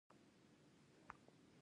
لومړی فکتور تشویق او اغیزه ده.